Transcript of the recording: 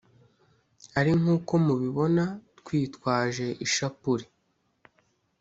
ariko nk’uko mubibona twitwaje ishapure